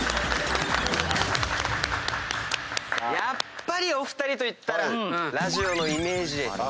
やっぱりお二人といったらラジオのイメージ。